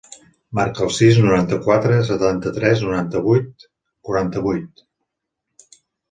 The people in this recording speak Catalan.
Marca el sis, noranta-quatre, setanta-tres, noranta-vuit, quaranta-vuit.